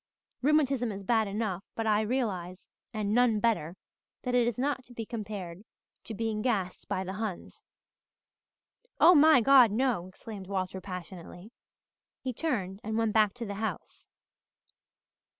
Rheumatism is bad enough but I realize, and none better, that it is not to be compared to being gassed by the Huns." "Oh, my God, no!" exclaimed Walter passionately. He turned and went back to the house.